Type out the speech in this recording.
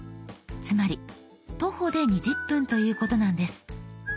つまり徒歩で２０分ということなんです。